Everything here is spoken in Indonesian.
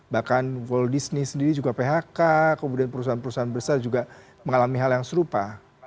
bahkan full disney sendiri juga phk kemudian perusahaan perusahaan besar juga mengalami hal yang serupa